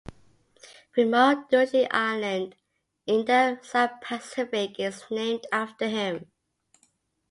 Remote Ducie Island in the South Pacific is named after him.